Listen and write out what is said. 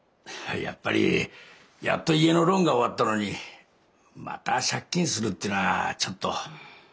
やっぱりやっと家のローンが終わったのにまた借金するってのはちょっと。